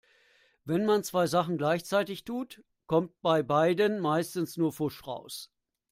Wenn man zwei Sachen gleichzeitig tut, kommt bei beidem meistens nur Pfusch raus.